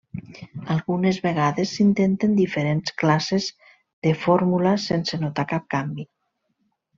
Algunes vegades, s'intenten diferents classes de fórmula sense notar cap canvi.